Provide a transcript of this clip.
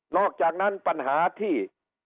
อกจากนั้นปัญหาที่